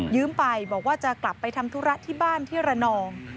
ไปบอกว่าจะกลับไปทำธุระที่บ้านที่ระนอง